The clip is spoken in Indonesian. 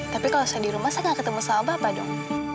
tapi kalau saya di rumah saya gak ketemu sama bapak dong